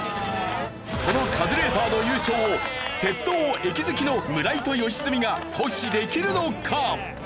そのカズレーザーの優勝を鉄道駅好きの村井と良純が阻止できるのか？